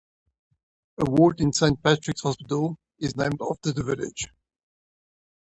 A ward in Saint Patrick's Hospital is named after the village.